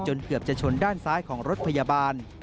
เกือบจะชนด้านซ้ายของรถพยาบาล